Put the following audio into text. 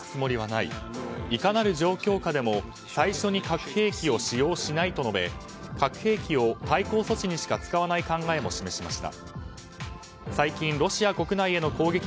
いかなる状況下でも最初に核兵器を使用しないと述べ核兵器を対抗措置にしか使わない考えも示しました。